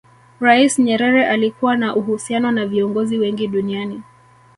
rais nyerere alikuwa na uhusiano na viongozi wengi duniani